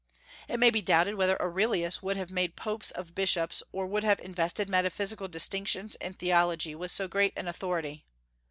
It may be doubted whether Aurelius would have made popes of bishops, or would have invested metaphysical distinctions in theology with so great an authority.